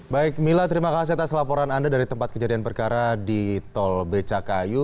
baik mila terima kasih atas laporan anda dari tempat kejadian perkara di tol becakayu